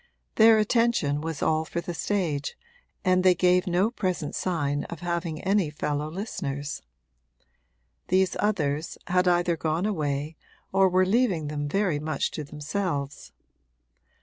Their attention was all for the stage and they gave no present sign of having any fellow listeners. These others had either gone away or were leaving them very much to themselves.